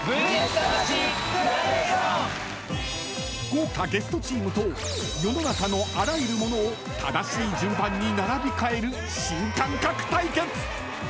豪華ゲストチームと世の中のあらゆるものを正しい順番に並べ替える新感覚対決。